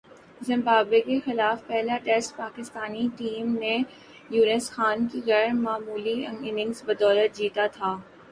Zimbabwe کے خلاف پہلا ٹیسٹ پاکستانی ٹیم نے یونس خان کی غیر معمولی اننگز کی بدولت جیتا تھا ۔